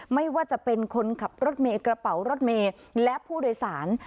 ไม่ว่าจะเป็นคนขับรถเมย์กระเป๋ารถเมย์และผู้โดยสาร